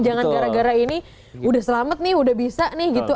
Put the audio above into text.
jangan gara gara ini udah selamat nih udah bisa nih gitu